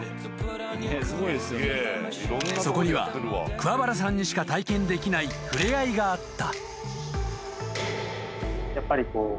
［そこには桑原さんにしか体験できない触れ合いがあった］